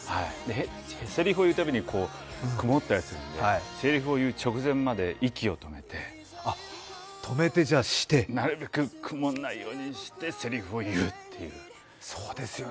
せりふを言うたびに曇ったりするんでせりふを言う直前まで息を止めてなるべく曇らないようにしてせりふを言うという。